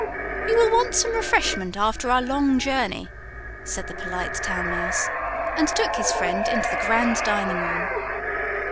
"You will want some refreshment after our long journey," said the polite Town Mouse, and took his friend into the grand dining room.